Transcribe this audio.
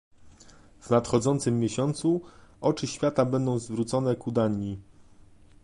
W nadchodzącym miesiącu oczy świata będą zwrócone ku Danii